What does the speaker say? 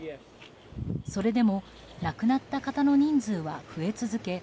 それでも亡くなった方の人数は増え続け